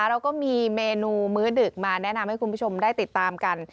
เราก็มีเมนูมื้อดึกมาแนะนำให้คุณผู้ชมได้ติดตามกัน